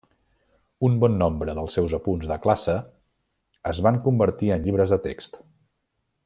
Un bon nombre dels seus apunts de classe es van convertir en llibres de text.